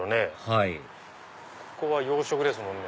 はいここは洋食ですもんね。